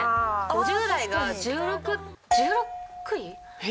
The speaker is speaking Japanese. ５０代が１６。